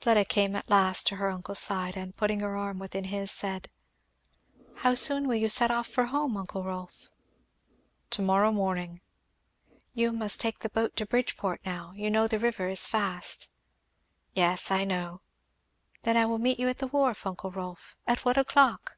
Fleda came at last to her uncle's side and putting her arm within his said, "How soon will you set off for home, uncle Rolf?" "To morrow morning." "You must take the boat to Bridgeport now you know the river is fast." "Yes I know " "Then I will meet you at the wharf, uncle Rolf, at what o'clock?"